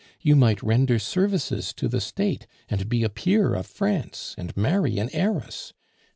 You might render services to the State, and be a peer of France, and marry an heiress.